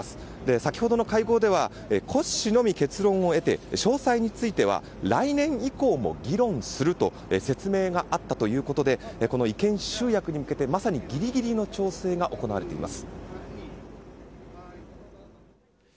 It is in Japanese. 先ほどの会合では骨子のみ結論を得て詳細については来年以降も議論すると説明があったということでこの意見集約に向けぎりぎりの調整が行われています。